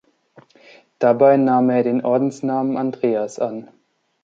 Dabei nahm er den Ordensnamen Andreas an.